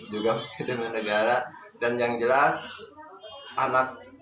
juga demi negara dan yang jelas anak